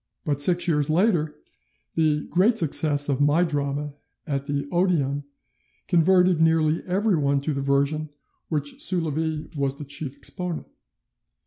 But six years later the great success of my drama at the Odeon converted nearly everyone to the version of which Soulavie was the chief exponent.